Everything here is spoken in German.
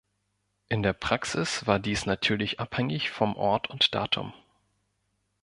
In der Praxis war dies natürlich abhängig vom Ort und Datum.